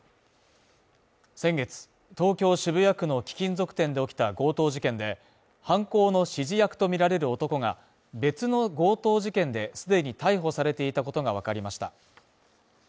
先月、東京渋谷区の貴金属店で起きた強盗事件で、犯行の指示役とみられる男が別の強盗事件で既に逮捕されていたことがわかりました。